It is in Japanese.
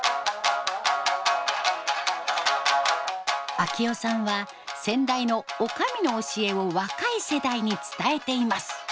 章代さんは先代の女将の教えを若い世代に伝えています。